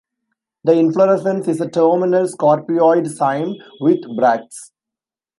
The inflorescence is a terminal scorpioid cyme, with bracts.